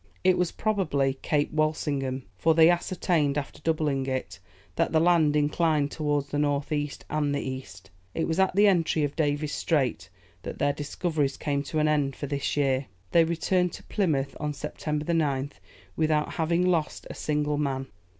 It was probably Cape Walsingham, for they ascertained, after doubling it, that the land inclined towards the north east, and the east. It was at the entry of Davis' Strait, that their discoveries came to an end for this year. They returned to Plymouth on September 9th, without having lost a single man.